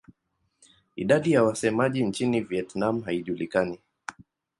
Idadi ya wasemaji nchini Vietnam haijulikani.